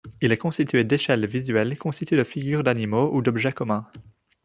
Il est constitué d'échelle visuelle constituée de figures d’animaux ou d'objets communs.